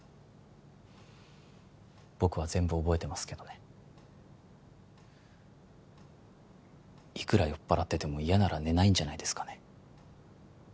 僕は全部覚えてますけどねいくら酔っ払ってても嫌なら寝ないんじゃないですかね？